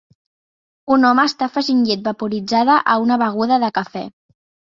Un home està afegint llet vaporitzada a una beguda de cafè.